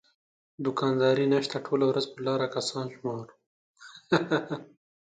دوکانداري نشته ټوله ورځ په لاره کسان شمارو.